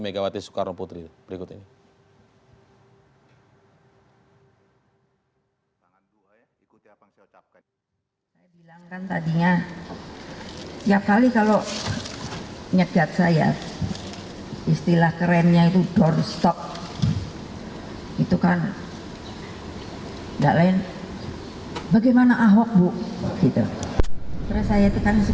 megawati soekarno putri berikut ini